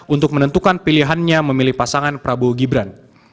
untuk menentukan pilihannya memilih pasangan prabowo gibran